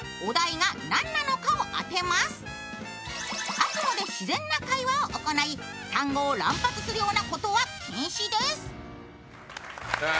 あくまで自然な会話を行い単語を乱発するようなことは禁止です。